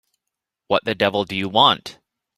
What the devil do you want?